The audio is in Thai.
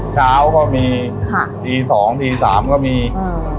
เช้าก็มีค่ะตีสองตีสามก็มีอ่า